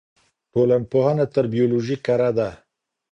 ټولنپوهنه تر بیولوژي کره ده.